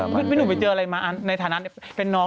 ไม่นู้นไปเจออะไรมั้งในฐานะเป็นน้อง